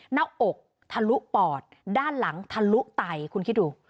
หน้าอกทะลุปอดด้านหลังทะลุไตคุณคิดดู